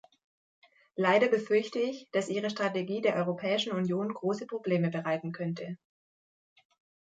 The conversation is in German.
Leider befürchte ich, dass Ihre Strategie der Europäischen Union große Probleme bereiten könnte.